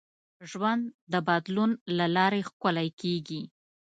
ژوند د بدلون له لارې ښکلی کېږي.